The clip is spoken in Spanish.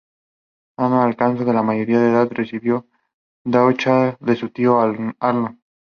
Cuando alcanzó la mayoría de edad, recibió Dachau de su tío Arnoldo.